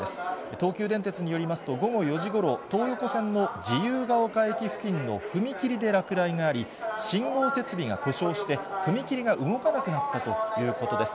東急電鉄によりますと、午後４時ごろ、東横線の自由が丘駅付近の踏切で落雷があり、信号設備が故障して、踏切が動かなくなったということです。